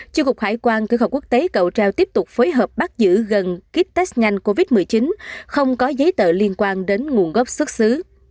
chi cục hải quan cửa khẩu quốc tế cầu treo tiếp tục phối hợp bắt giữ gần kit test nhanh covid một mươi chín không có giấy tờ liên quan đến nguồn gốc xuất xứ